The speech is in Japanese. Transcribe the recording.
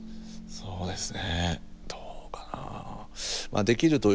そうですね。